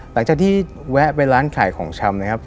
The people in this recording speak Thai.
หลังจากที่แวะไปร้านขายของชำนะครับ